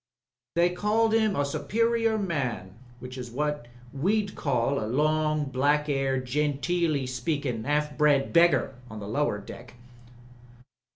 They called 'im a superior man which is what we'd call a long, black 'aired, genteely speakin', 'alf bred beggar on the lower deck."